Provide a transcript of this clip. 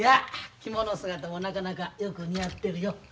着物姿もなかなかよく似合ってるよ。